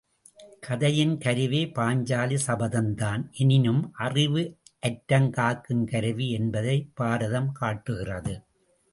கதையின் கருவே பாஞ்சாலி சபதம்தான் எனினும் அறிவு அற்றம் காக்கும் கருவி என்பதை பாரதம் காட்டுகிறது.